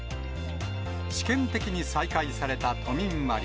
試験的に再開された都民割。